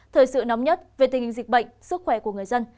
thời sự nóng nhất về tình hình dịch bệnh sức khỏe của người dân